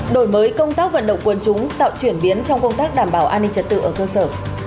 đổi mới công tác vận động quân chúng tạo chuyển biến trong công tác đảm bảo an ninh trật tự ở cơ sở